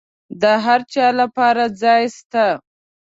د هرچا لپاره ځای سته.